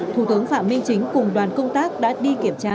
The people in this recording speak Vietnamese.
thủ tướng phạm minh chính cùng đoàn công tác đã đi kiểm tra